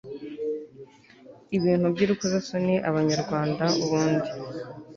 ibintu by'urukozasoni abanyarwanda ubundi